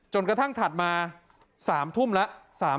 กระทั่งถัดมา๓ทุ่มแล้ว